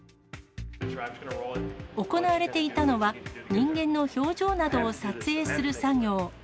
行われていたのは、人間の表情などを撮影する作業。